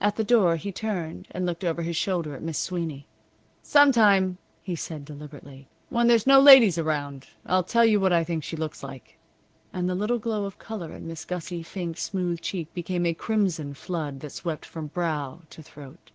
At the door he turned and looked over his shoulder at Miss Sweeney. "Some time," he said, deliberately, "when there's no ladies around, I'll tell you what I think she looks like." And the little glow of color in Miss Gussic Fink's smooth cheek became a crimson flood that swept from brow to throat.